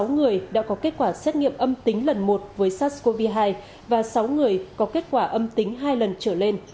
sáu người đã có kết quả xét nghiệm âm tính lần một với sars cov hai và sáu người có kết quả âm tính hai lần trở lên